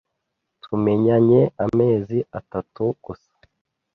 Tumenyanye amezi atatu gusa.